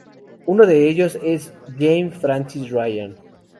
Uno de ellos es James Francis Ryan.